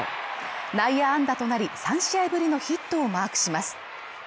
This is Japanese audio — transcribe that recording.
内野安打となり、３試合ぶりのヒットをマークします。